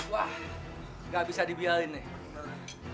wah nggak bisa dibiarin nih